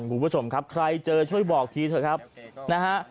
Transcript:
คุณผู้ชมครับใครเจอช่วยบอกทีเถอะครับนะฮะ